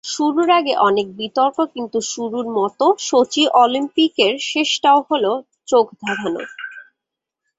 শুরুর আগে অনেক বিতর্ক, কিন্তু শুরুর মতো সোচি অলিম্পিকের শেষটাও হলো চোখ ধাঁধানো।